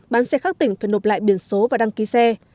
bán xe khắc tỉnh phải nộp lại biển số và đăng ký xe